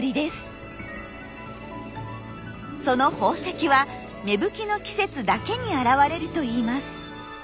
その宝石は芽吹きの季節だけに現れるといいます。